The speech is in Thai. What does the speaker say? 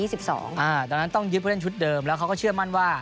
ตอนนั้นต้องยึดผู้เล่นชุดเดิมแล้วเขาก็เชื่อมั่นว่า